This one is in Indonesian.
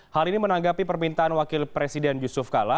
hal ini menanggapi permintaan wakil presiden yusuf kala